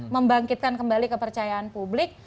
membangkitkan kembali kepercayaan publik